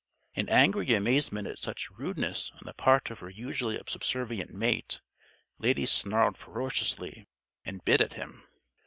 In angry amazement at such rudeness on the part of her usually subservient mate, Lady snarled ferociously, and bit at him.